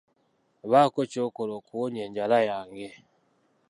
Bako kyokola okuwonya enjala yange.